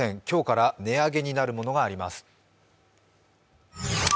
今日から値上げになるものがあります。